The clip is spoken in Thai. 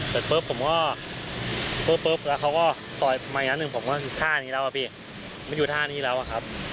เสร็จปุ๊บผมก็ปุ๊บแล้วเขาก็ซอยมาอีกชั้นหนึ่งผมก็ท่านี้แล้วอะพี่มันอยู่ท่านี้แล้วอะครับ